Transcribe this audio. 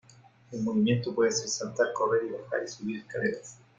El movimiento puede ser saltar, correr, y bajar y subir escaleras.